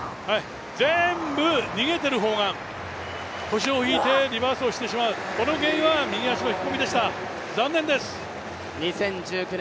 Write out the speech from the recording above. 全部逃げてる砲丸、腰を引いてリバースをしてしまう、この原因は右足の引っ込みでした、残念です。